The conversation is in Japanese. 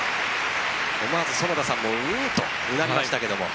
思わず園田さんもうーんとうなりましたが。